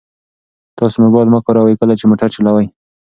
تاسو موبایل مه کاروئ کله چې موټر چلوئ.